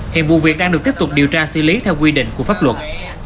hiện vụ việc đang được tiếp tục điều tra xử lý theo quy định của pháp luật